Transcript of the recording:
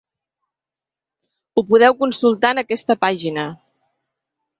Ho podeu consultar en aquesta pàgina.